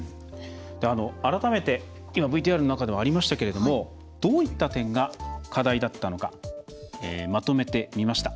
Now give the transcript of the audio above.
改めて、今ＶＴＲの中でもありましたけれどもどういった点が課題だったのかまとめてみました。